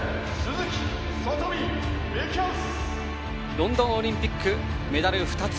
ロンドンオリンピックメダル２つ。